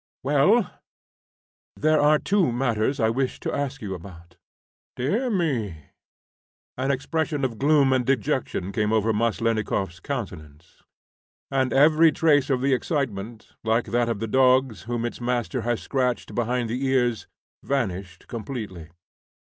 "Well?" "There are two matters I wish to ask you about." "Dear me!" An expression of gloom and dejection came over Maslennikoff's countenance, and every trace of the excitement, like that of the dog's whom its master has scratched behind the cars, vanished completely.